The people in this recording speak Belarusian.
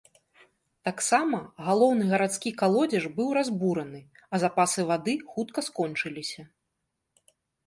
Таксама, галоўны гарадскі калодзеж быў разбураны, а запасы воды хутка скончыліся.